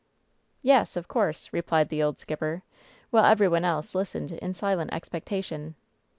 "Yes, of course," replied the old skipper, while every one else listened in silent expectation.